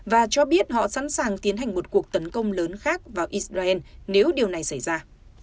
và cho biết họ sẵn sàng tiến hành một cuộc tấn công lớn khác vào israel nếu điều này xảy ra